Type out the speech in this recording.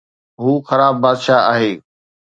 هو خراب بادشاهه آهي